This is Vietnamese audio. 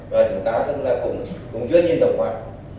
và chúng ta cũng rất nhiên tập hoạt